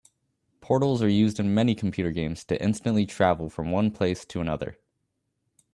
Portals are used in many computer games to instantly travel from one place to another.